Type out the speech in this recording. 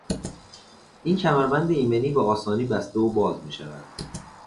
این کمربند ایمنی به آسانی بسته و باز میشود.